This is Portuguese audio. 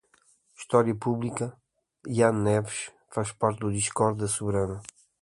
História Pública, Ian Neves, faz parte do discord da Soberana